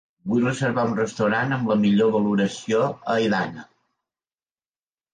Vull reservar un restaurant amb la millor valoració a Idana.